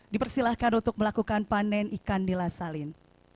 dipersilahkan untuk melakukan panen ikan di lasalin